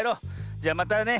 じゃまたね